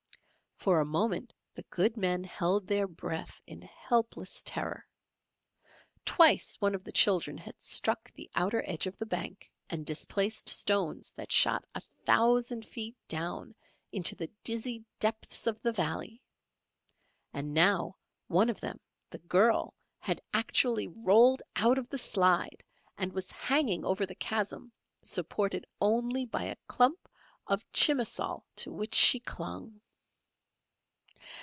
For a moment the good men held their breath in helpless terror. Twice, one of the children, had struck the outer edge of the bank and displaced stones that shot a thousand feet down into the dizzy depths of the valley! and now, one of them, the girl, had actually rolled out of the slide and was hanging over the chasm supported only by a clump of chimasal to which she clung!